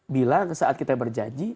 bilang saat kita berjanji